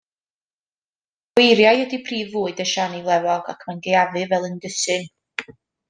Gweiriau ydy prif fwyd y siani flewog ac mae'n gaeafu fel lindysyn.